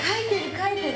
かいてる？